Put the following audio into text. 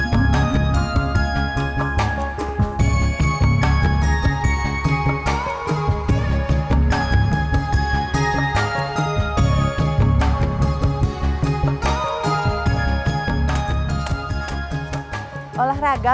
sampai jumpa lagi